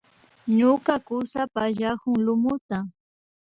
Ñuka kusa pallakun lumuta